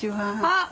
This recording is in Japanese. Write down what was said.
あっ！